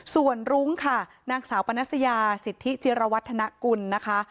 ส่วนรุ้งค่ะนางสาวปนัสยาสิทธิจิรวัฒนกุลนะคะ